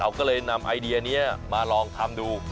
ก็เลยนำไอเดียนี้มาลองทำดู